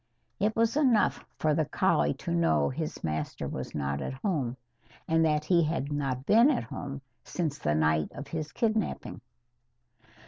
It was enough for the collie to know his master was not at home, and that he had not been at home since the night of his kidnapping.